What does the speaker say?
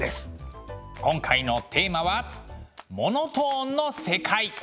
今回のテーマは「モノトーンの世界」。